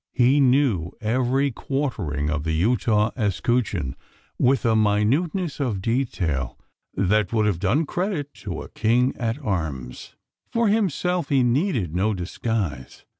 He knew every quartering: of the Utah escutcheon, with a minuteness of detail that would have done credit to a King at arms. For himself he needed no disguise.